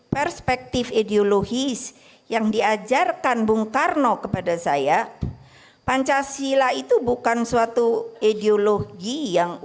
perspektif ideologis yang diajarkan bung karno kepada saya pancasila itu bukan suatu ideologi yang